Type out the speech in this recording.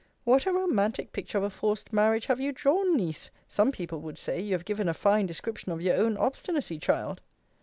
What a romantic picture of a forced marriage have you drawn, Niece! Some people would say, you have given a fine description of your own obstinacy, child.